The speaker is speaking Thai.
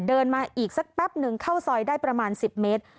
เดินมาอีกสักแป๊บหนึ่งเข้าซอยได้ประมาณ๑๐เมตร